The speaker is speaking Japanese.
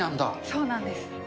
そうなんです。